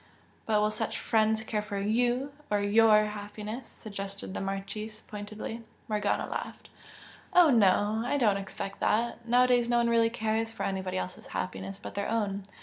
"But will such 'friends' care for YOU or YOUR happiness?" suggested the Marchese, pointedly. Morgana laughed. "Oh, no, I do not expect that! Nowadays no one really cares for anybody else's happiness but their own.